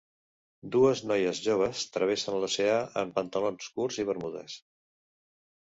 Dues noies joves travessen l'oceà en pantalons curts i bermudes.